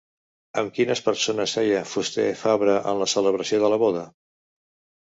Amb quines persones seia Fuster-Fabra en la celebració de la boda?